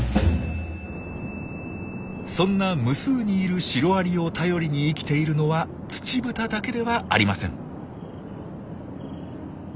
そんな無数にいるシロアリを頼りに生きているのはツチブタだけではありません。